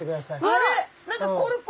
はい。